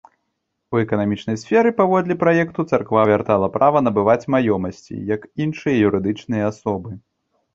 У эканамічнай сферы, паводле праекту царква вяртала права набываць маёмасці, як іншыя юрыдычныя асобы.